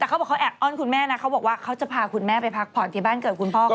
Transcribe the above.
แต่เขาบอกเขาแอบอ้อนคุณแม่นะเขาบอกว่าเขาจะพาคุณแม่ไปพักผ่อนที่บ้านเกิดคุณพ่อเขา